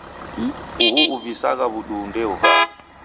Uhu uvisaa w'uduu ndeuvaa.